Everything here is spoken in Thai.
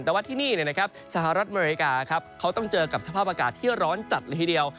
แต่ว่าที่นี่สหรัฐอเมริกาเขาต้องเจอกับสภาพอากาศที่ร้อนจัดละทีเดียว